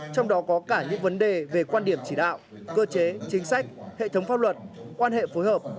trong đó có cả những vấn đề về quan điểm chỉ đạo cơ chế chính sách hệ thống pháp luật quan hệ phối hợp